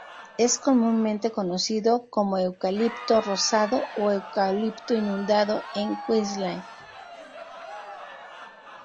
Es comúnmente conocido como eucalipto rosado o eucalipto inundado en Queensland.